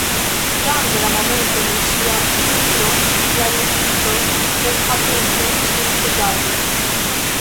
Jam de la momento de ŝia eniro la libristo tre atente ŝin rigardis.